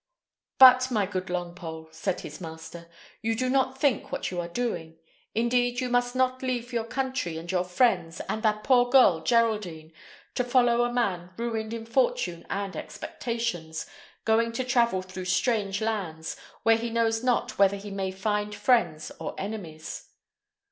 "But, my good Longpole," said his master, "you do not think what you are doing. Indeed, you must not leave your country and your friends, and that poor girl Geraldine, to follow a man ruined in fortune and expectations, going to travel through strange lands, where he knows not whether he may find friends or enemies."